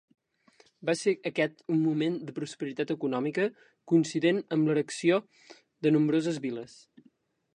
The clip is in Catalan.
Va ser aquest un moment de prosperitat econòmica, coincident amb l'erecció de nombroses viles.